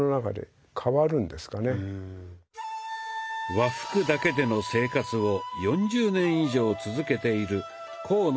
和服だけでの生活を４０年以上続けている甲野